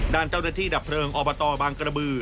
ด้านเจ้าหน้าที่ดับเพลิงอบตบางกระบือ